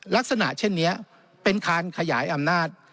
ลักษณะเช่นนี้เป็นการขยายอำนาจ